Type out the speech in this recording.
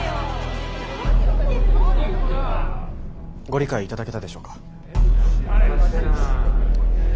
ご理解いただけたでしょうか。